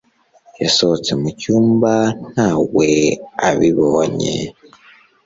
Yasohotse mu cyumba ntawe abibonye.